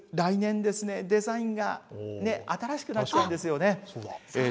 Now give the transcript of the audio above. ただ、お札、来年、デザインが新しくなっちゃうんですよね。